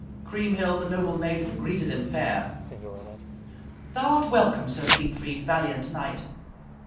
Kriemhild, the noble maiden, greeted him fair. "Thou art welcome, Sir Siegfried, valiant knight.